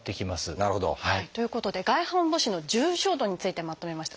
なるほど。ということで外反母趾の重症度についてまとめました。